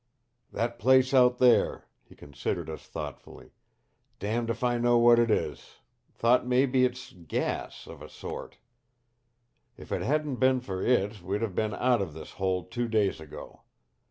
"That place out there " he considered us thoughtfully. "Damned if I know what it is. Thought maybe it's gas of a sort. If it hadn't been for it we'd have been out of this hole two days ago.